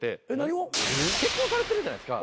結婚されてるじゃないですか。